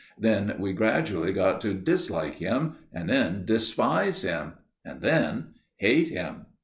Then we gradually got to dislike him, and then despise him, and then hate him.